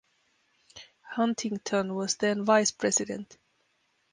Huntington was then Vice President.